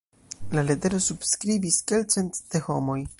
La letero subskribis kelkcent de homoj.